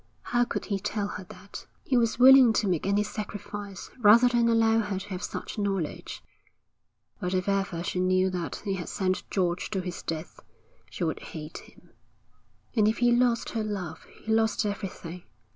How could he tell her that? He was willing to make any sacrifice rather than allow her to have such knowledge. But if ever she knew that he had sent George to his death she would hate him. And if he lost her love he lost everything.